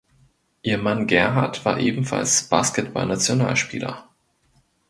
Ihr Mann Gerhard war ebenfalls Basketballnationalspieler.